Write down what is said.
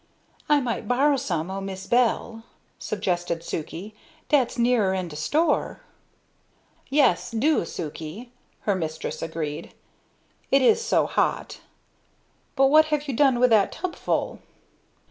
"I might borrow some o' Mis' Bell?" suggested Sukey; "dat's nearer 'n' de sto'." "Yes, do, Sukey," her mistress agreed. "It is so hot. But what have you done with that tubful?"